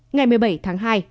ngày một mươi bảy tháng hai